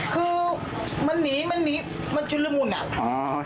คือมันหนีมันหนีมันชุดละมุนอ่ะ